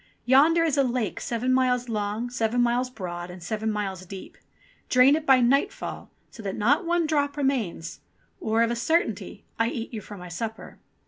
Yonder is a lake seven miles long, seven miles broad, and seven miles deep. Drain it by nightfall, so that not one drop remains, or, of a certainty, I eat you for supper."